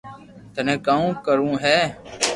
ٿني ڪاو ڪروو ھي